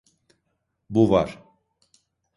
Bu var.